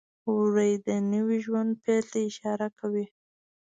وری د نوي ژوند پیل ته اشاره کوي.